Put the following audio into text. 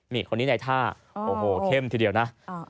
นี่คนนี้ในท่าโอ้โหเข้มทีเดียวนะ